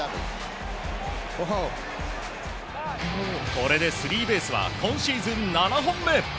これでスリーベースは今シーズン７本目。